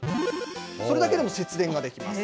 それだけでも節電ができます。